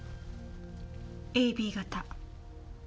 ＡＢ型。